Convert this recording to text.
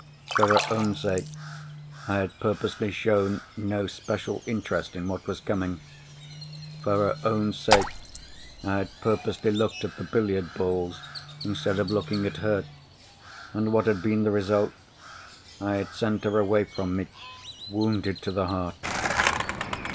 For her own sake, I had purposely shown no special interest in what was coming; for her own sake, I had purposely looked at the billiard balls, instead of looking at her—and what had been the result? I had sent her away from me, wounded to the heart!